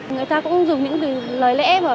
người ta cũng dùng những lời lẽ